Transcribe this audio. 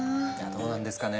どうなんですかね。